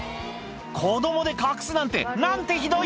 子供で隠すなんて何てひどい